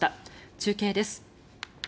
中継です。